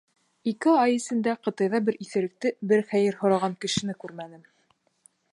Ике ай эсендә Ҡытайҙа бер иҫеректе, бер хәйер һораған кешене күрмәнем.